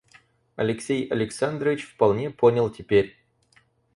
Алексей Александрович вполне понял теперь.